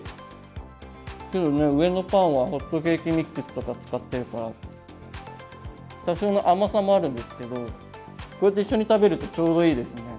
上のパンはホットケーキミックスとか使ってるから多少の甘さもあるんですけどこうやって一緒に食べるとちょうどいいですね。